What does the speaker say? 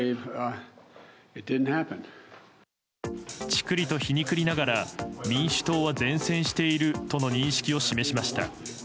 チクリと皮肉りながら民主党は善戦しているとの認識を示しました。